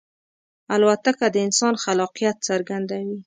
الوتکه د انسان خلاقیت څرګندوي.